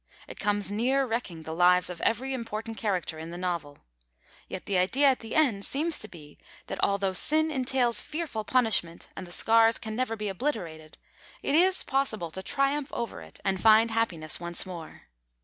It comes near wrecking the lives of every important character in the novel. Yet the idea at the end seems to be that although sin entails fearful punishment, and the scars can never be obliterated, it is possible to triumph over it and find happiness once more.